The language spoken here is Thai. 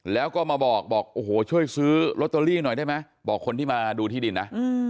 แล้วก็มาบอกบอกโอ้โหช่วยซื้อลอตเตอรี่หน่อยได้ไหมบอกคนที่มาดูที่ดินนะ